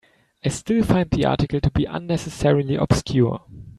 I still find the article to be unnecessarily obscure.